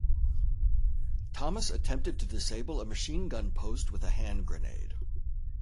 Thomas attempted to disable a machine gun post with a hand grenade.